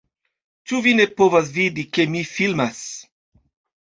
Ĉu vi ne povas vidi, ke mi filmas?